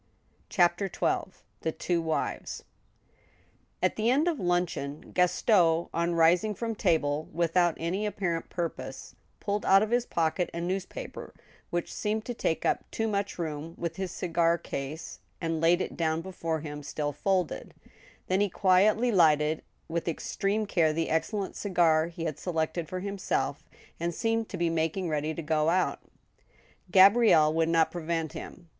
CHAPTER XII. THE TWO WIVES. At the end of luncheon, Gaston, on rising from table, without any apparent purpose, pulled out of his pocket a newspaper, which seemed to take up too much room with his cigar case, and laid it down before him still folded ; then he quietly lighted, with extreme care, the excellent cigar he had selected for himself, and seemed to be making ready to go out Gabrielle would not prevent him.